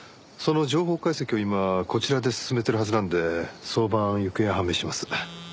その情報解析を今こちらで進めてるはずなんで早晩行方は判明します。